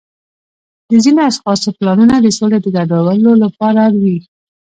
د ځینو اشخاصو پلانونه د سولې د ګډوډولو لپاره وي.